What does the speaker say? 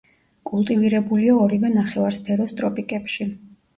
კულტივირებულია ორივე ნახევარსფეროს ტროპიკებში.